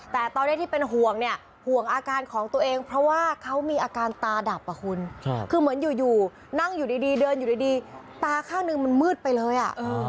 แต่ตอนนี้ที่เป็นห่วงเนี่ยห่วงอาการของตัวเองเพราะว่าเขามีอาการตาดับอ่ะคุณคือเหมือนอยู่นั่งอยู่ดีเดินอยู่ดีตาข้างนึงมันมืดไปเลยอ่ะ